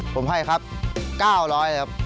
ผมให้ครับ๙๐๐ครับ